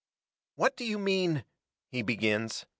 "What do you mean " he begins.